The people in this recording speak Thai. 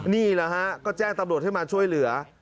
นี่แหละฮะก็แจ้งตำรวจให้มาช่วยเหลือ